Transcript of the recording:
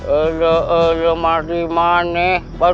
aduh aduh aduh kenapa ini